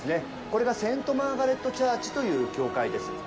これがセントマーガレットチャーチという教会です。